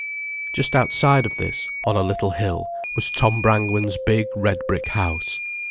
Just outside of this, on a little hill, was Tom Brangwen's big, red brick house.